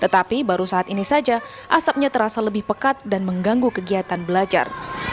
tetapi baru saat ini saja asapnya terasa lebih pekat dan mengganggu kegiatan belajar